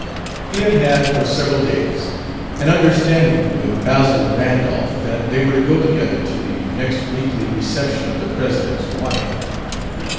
He had had, for several days, an understanding with Basil Randolph that they were to go together to the next weekly reception of the president's wife.